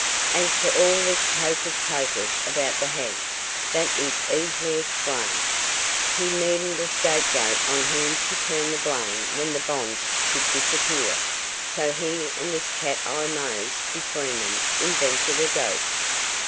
"As to all this hocus pocus about the ha'nt, that is easily explained. He needed a scapegoat on whom to turn the blame when the bonds should disappear; so he and this Cat Eye Mose between them invented a ghost.